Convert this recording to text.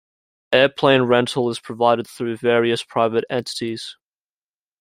Airplane rental is provided through various private entities.